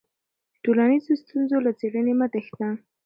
د ټولنیزو ستونزو له څېړنې مه تېښته.